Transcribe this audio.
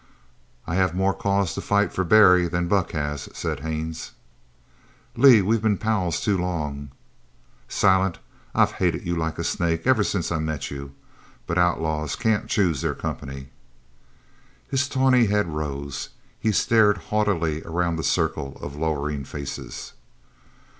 "I have more cause to fight for Barry than Buck has," said Haines. "Lee, we've been pals too long." "Silent, I've hated you like a snake ever since I met you. But outlaws can't choose their company." His tawny head rose. He stared haughtily around the circle of lowering faces.